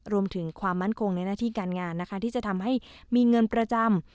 รวมถึงความมั่นคงในหน้าที่การงานนะคะที่จะทำให้มีเงินประจำ